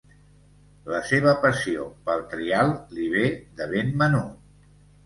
La seva passió pel trial li ve de ben menut.